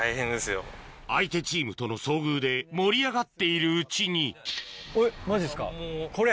相手チームとの遭遇で盛り上がっているうちにマジっすかこれ？